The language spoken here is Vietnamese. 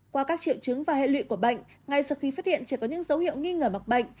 qua các triệu chứng và hệ lụy của bệnh ngay sau khi phát hiện trẻ có những dấu hiệu nghi ngờ mắc bệnh